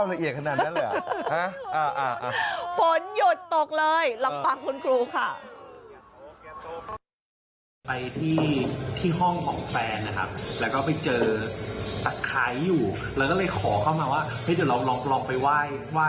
แล้วหลังจากนั้นพอเอามาปักป๊อบ